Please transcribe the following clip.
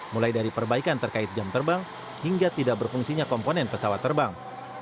mulai dari perbaikan terkait jam terbang hingga tidak berfungsinya komponen pesawat terbang